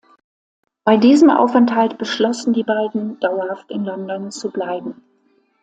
Bei diesem Aufenthalt beschlossen die beiden dauerhaft in London zu bleiben.